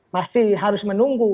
masih harus menunggu